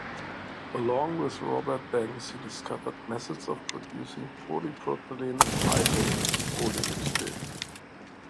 Along with Robert Banks he discovered methods of producing polypropylene and high-density polyethylene.